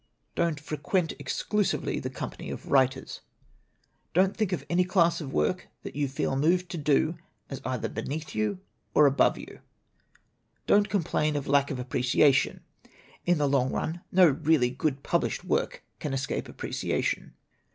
"Don't frequent exclusively the company of writers. "Don't think of any class of work that you feel moved to do as either beneath you or above you. LITERATURE IN THE MAKING " Don't complain of lack of appreciation. (In the long run no really good published work can escape appreciation.)